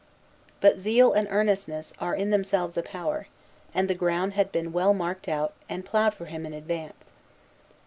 But zeal and earnestness are in themselves a power; and the ground had been well marked out and ploughed for him in advance.